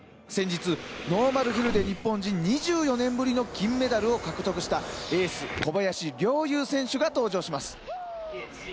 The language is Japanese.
先日ノーマルヒルで日本人２４年ぶりの金メダルを獲得したエース・小林陵侑選手が登場します。